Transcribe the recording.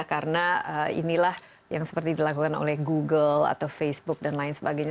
karena inilah yang seperti dilakukan oleh google atau facebook dan lain sebagainya